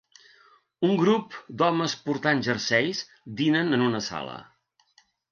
Un grup d'homes portant jerseis dinen en una sala.